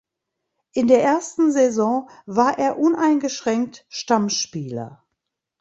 In der ersten Saison war er uneingeschränkt Stammspieler.